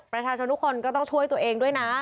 ประชาชนทุกคนก็ต้องช่วยตัวเองด้วยนะ